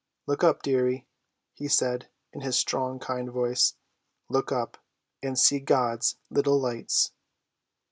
"Look up, dearie!" he said, in his strong, kind voice. "Look up, and see God's little lights!"